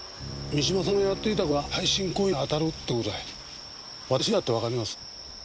三島さんがやっていたことが背信行為に当たるってことぐらい私にだってわかります。